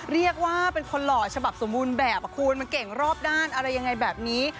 เรียกว่าเป็นคนหล่อฉบับสมบูรณ์แบบคุณมันเก่งรอบด้านอะไรยังไงแบบนี้